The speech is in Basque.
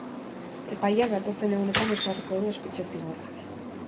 Epaileak datozen egunetan ezarriko du espetxe zigorra.